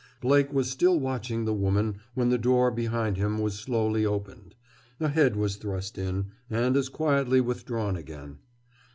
Blake was still watching the woman when the door behind him was slowly opened; a head was thrust in, and as quietly withdrawn again.